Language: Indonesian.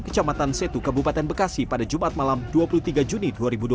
kecamatan setu kabupaten bekasi pada jumat malam dua puluh tiga juni dua ribu dua puluh